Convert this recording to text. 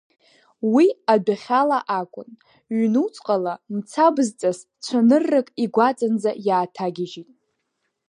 Уи адәахьала акәын, ҩнуҵҟала мцабзҵас цәаныррак игәаҵанӡа иааҭагьежьит…